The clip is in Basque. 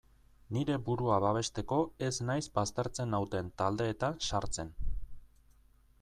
Nire burua babesteko ez naiz baztertzen nauten taldeetan sartzen.